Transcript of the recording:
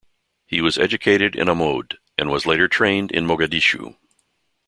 He was educated in Amoud, and was later trained in Mogadishu.